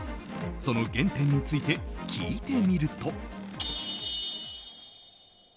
その原点について聞いてみると。